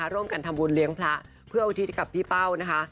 ร่วมกันทำบุญเลี้ยงพระเพื่ออุทิศให้กับพี่เป้านะคะ